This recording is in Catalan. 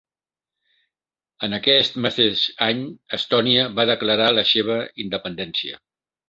En aquest mateix any, Estònia va declarar la seva independència.